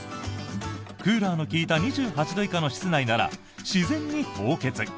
クーラーの利いた２８度以下の室内なら自然に凍結。